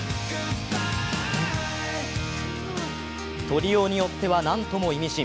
とりようによっては何とも意味深。